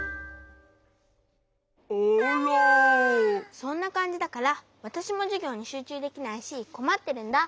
そんなかんじだからわたしもじゅぎょうにしゅうちゅうできないしこまってるんだ。